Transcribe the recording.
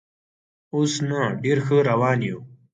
اوس نه، ډېر ښه روان یو.